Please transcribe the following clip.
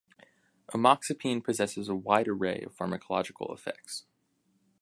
Amoxapine possesses a wide array of pharmacological effects.